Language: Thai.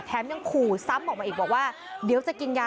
แถมยังขู่ซ้ำออกมาอีกว่าว่า